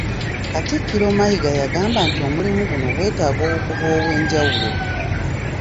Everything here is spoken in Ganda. Katikkiro Mayiga yagamba nti omulimu guno gwetaaga obukugu obwenjawulo